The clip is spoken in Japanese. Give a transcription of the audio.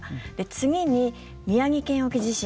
次に、宮城県沖地震